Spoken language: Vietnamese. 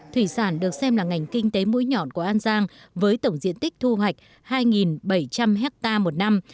thủy sản được xem là ngành kinh tế mũi nhọn của an giang với tổng diện tích thu hoạch hai bảy trăm linh hectare một năm